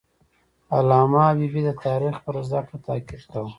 علامه حبیبي د تاریخ پر زده کړه تاکید کاوه.